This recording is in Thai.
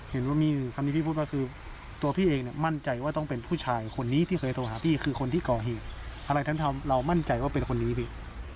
เห็นว่ามีคำนี้พี่พูดว่าคือตัวพี่เองเนี่ยมั่นใจว่าต้องเป็นผู้ชายคนนี้ที่เคยโทรหาพี่คือคนที่ก่อเหตุอะไรท่านทำเรามั่นใจว่าเป็นคนนี้พี่